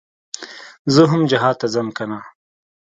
زه هم جهاد ته ځم کنه.